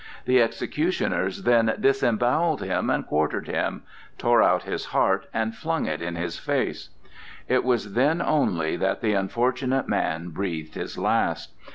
The executioners then disembowelled and quartered him; tore out his heart and flung it in his face. It was then only that the unfortunate man breathed his last.